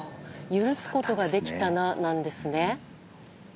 許すことができたななんですね。